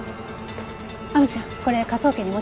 亜美ちゃんこれ科捜研に持ち帰って。